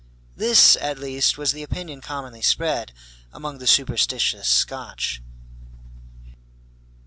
This, at least, was the opinion commonly spread among the superstitious Scotch.